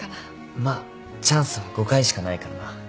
まあチャンスは５回しかないからな。